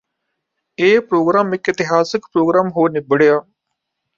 ਇਹ ਪ੍ਰੋਗਰਾਮ ਇਕ ਇਤਿਹਾਸਕ ਪ੍ਰੋਗਰਾਮ ਹੋ ਨਿਬੜਿਆ